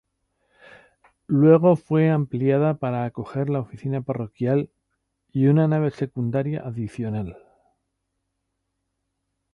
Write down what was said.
Luego fue ampliada para acoger la oficina parroquial, y una nave secundaria adicional.